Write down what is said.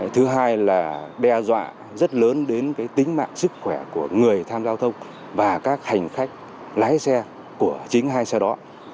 thứ hai là đe dọa rất lớn đến tính mạng sức khỏe của người tham gia giao thông và các hành khách lái xe của chính hai xe đó